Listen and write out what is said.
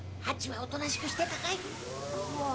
ハチはおとなしくしてたかい？